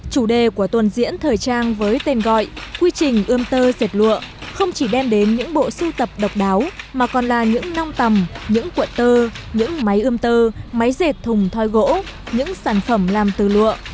chủ đề của tuần diễn thời trang với tên gọi quy trình ươm tơ dệt lụa không chỉ đem đến những bộ sưu tập độc đáo mà còn là những nong tầm những cuộn tơ những máy ươm tơ máy dệt thùng thoai gỗ những sản phẩm làm từ lụa